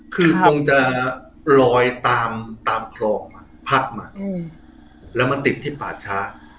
คือคงจะลอยตามตามขอค์มาผักมาอืมแล้วมันติดที่ปาช้า